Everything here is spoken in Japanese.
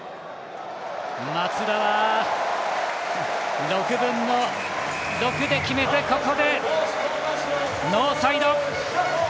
松田は６分の６で決めてここでノーサイド。